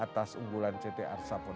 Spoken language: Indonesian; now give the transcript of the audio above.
dan bermanfaat bagi semua